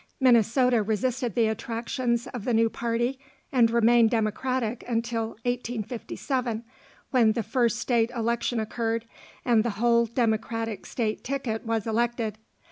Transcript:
Minnesota resisted the attractions of the new party, and remained Democratic until 1857, when the first state election occurred, and the whole Democratic state ticket was elected.